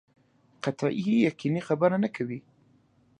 قطعي یقیني خبره نه کوي.